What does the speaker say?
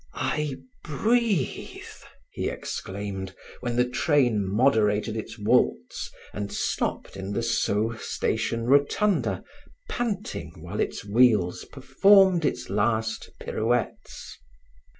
"I breathe!" he exclaimed when the train moderated its waltz and stopped in the Sceaux station rotunda, panting while its wheels performed its last pirouettes.